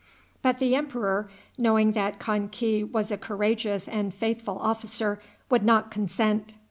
But the emperor, knowing that Kan ki was a courageous and faithful officer, would not consent.